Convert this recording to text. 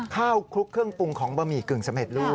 คลุกเครื่องปรุงของบะหมี่กึ่งสำเร็จลูก